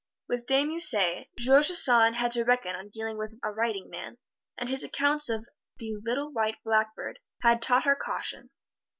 With De Musset, George Sand had to reckon on dealing with a writing man, and his accounts of "The Little White Blackbird" had taught her caution.